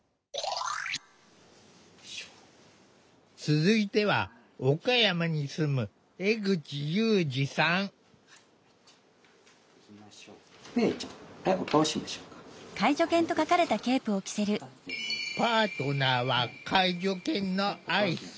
続いては岡山に住むパートナーは介助犬のアイス。